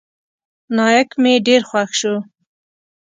نايک مې ډېر خوښ سو.